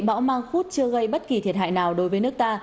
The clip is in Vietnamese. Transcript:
bão mang khúc chưa gây bất kỳ thiệt hại nào đối với nước ta